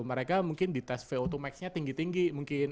mereka mungkin di tes vo dua max nya tinggi tinggi mungkin